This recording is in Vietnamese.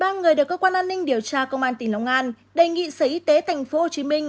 ba người được cơ quan an ninh điều tra công an tỉnh long an đề nghị sở y tế tp hcm